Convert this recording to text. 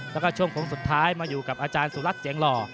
แล้วก็ช่วงโค้งสุดท้ายมาอยู่กับอาจารย์สุรัตน์เสียงหล่อ